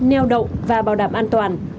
neo đậu và bảo đảm an toàn